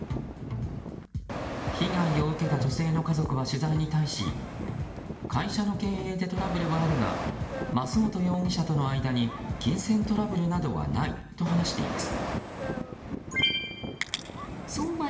被害を受けた女性の家族は取材に対し会社の経営でトラブルはあるが増本容疑者との間に金銭トラブルなどはないと話しています。